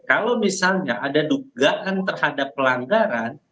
kalau misalnya ada dugaan terhadap pelanggaran